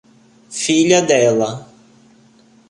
Filha dela